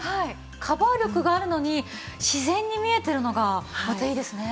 カバー力があるのに自然に見えてるのがまたいいですね。